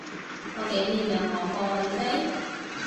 我竟然有講過我要飛？